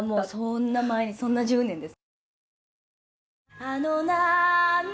そんな１０年です。